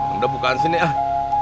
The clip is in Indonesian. udah bukaan sini ah